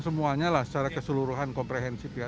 semuanya lah secara keseluruhan komprehensif ya